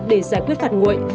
để giải quyết phạt nguội